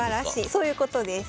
そういうことです。